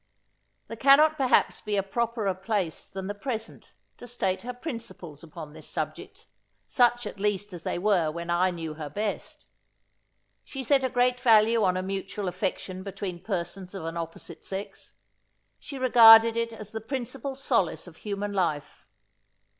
There cannot perhaps be a properer place than the present, to state her principles upon this subject, such at least as they were when I knew her best. She set a great value on a mutual affection between persons of an opposite sex. She regarded it as the principal solace of human life.